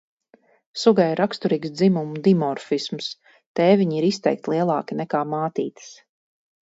Sugai ir raksturīgs dzimumu dimorfisms – tēviņi ir izteikti lielāki nekā mātītes.